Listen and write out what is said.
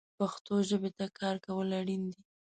پښتو ژبې ته کار کول اړین دي